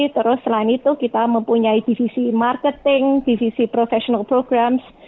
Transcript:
terus selain itu kita mempunyai divisi marketing divisi professional programs